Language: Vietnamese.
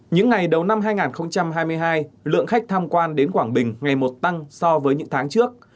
những ngày đầu năm hai nghìn hai mươi hai lượng khách tham quan đến quảng bình ngày một tăng so với những tháng trước